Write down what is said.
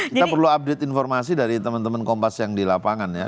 kita perlu update informasi dari teman teman kompas yang di lapangan ya